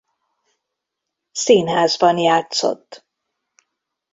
Színházban játszott.